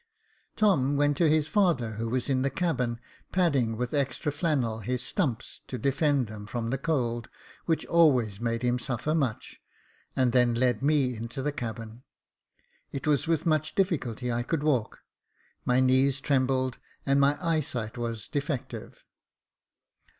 Tom went to his father, who was in the cabin, padding, with extra flannel, his stumps, to defend them from the cold, which always made him suffer much, and then led me into the cabin. It was with much diflSculty I could walk ; my knees trembled, and my eyesight was defective.